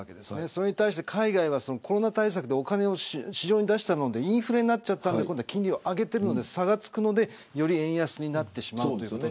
それに対して海外はコロナ対策でお金を市場に出したんでインフレになっちゃったので今度は金利を上げてるので差がつくのでより円安になってしまうと。